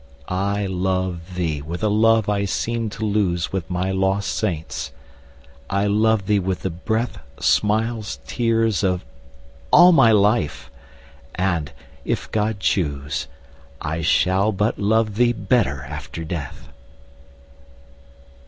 I love thee with a love I seemed to lose With my lost saints, I love thee with the breath, Smiles, tears, of all my life! and, if God choose, I shall but love thee better after death.